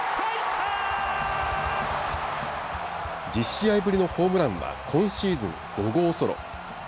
１０試合ぶりのホームランは今シーズン５号ソロ。